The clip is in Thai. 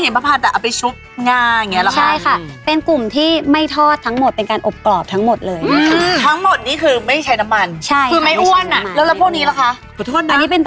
ปลาข้าวค่ะอันนี้เป็นผลิตภัณฑ์จากปลาทั้งนี้